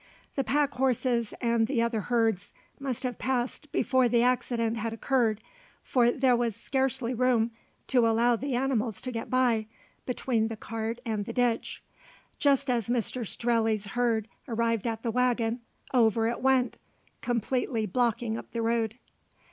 The pack horses and the other herds must have passed before the accident had occurred; for there was scarcely room to allow the animals to get by between the cart and the ditch. Just as Mr Strelley's herd arrived at the waggon, over it went, completely blocking up the road.